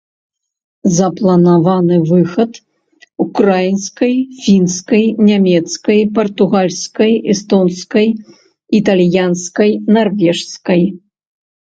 Запланаваны выхад ўкраінскай, фінскай, нямецкай, партугальскай, эстонскай, італьянскай, нарвежскай.